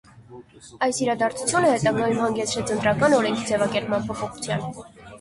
Այս իրադարձությունը հետագայում հանգեցրեց ընտրական օրենքի ձևակերպման փոփոխության։